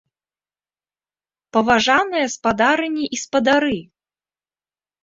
Паважаныя спадарыні і спадары!